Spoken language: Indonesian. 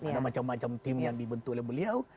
ada macam macam tim yang dibentuk oleh beliau